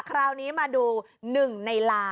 คราวนี้มาดู๑ในล้าน